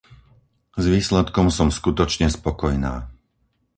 S výsledkom som skutočne spokojná.